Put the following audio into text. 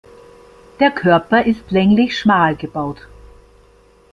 Der Körper ist länglich schmal gebaut.